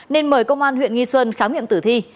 nên mời công an huyện nghi xuân khám nghiệm tử thi